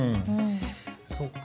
そうか。